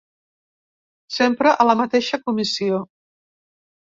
Sempre a la mateixa comissió.